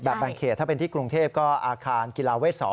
แบ่งเขตถ้าเป็นที่กรุงเทพก็อาคารกีฬาเวท๒